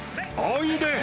おいで。